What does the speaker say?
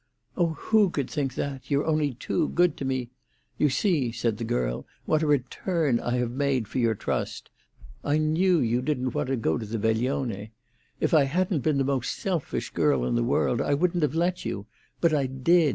"Oh, who could think that? You're only too good to me. You see," said the girl, "what a return I have made for your trust. I knew you didn't want to go to the veglione. If I hadn't been the most selfish girl in the world I wouldn't have let you. But I did.